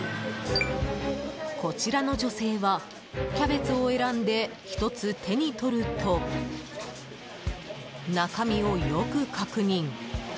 こちらの女性はキャベツを選んで１つ手に取ると中身をよく確認。